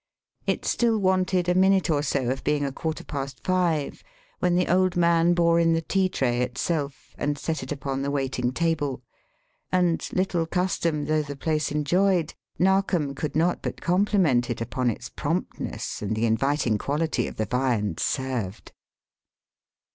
It still wanted a minute or so of being a quarter past five when the old man bore in the tea tray itself and set it upon the waiting table; and, little custom though the place enjoyed, Narkom could not but compliment it upon its promptness and the inviting quality of the viands served.